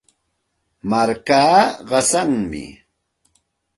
Markaata qasanmi.